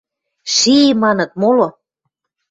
Ши! – маныт моло.